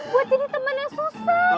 buat jadi temennya susahan